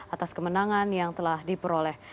atas kemenangan yang telah diperoleh